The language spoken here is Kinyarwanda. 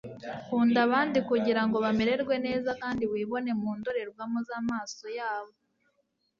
kunda abandi kugirango bamererwe neza kandi wibone mu ndorerwamo z'amaso yabo